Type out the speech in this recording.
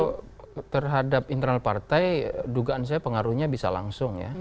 kalau terhadap internal partai dugaan saya pengaruhnya bisa langsung ya